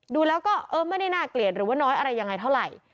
ดูแล้วก็เออไม่ได้น่าเกลียดหรือว่าน้อยอะไรยังไงเท่าไหร่